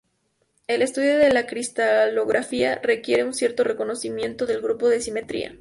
El estudio de la cristalografía requiere un cierto conocimiento del grupo de simetría.